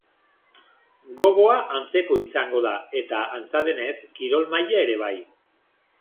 Gogoa antzeko izango da eta, antza denez, kirol maila ere bai.